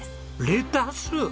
レタス！？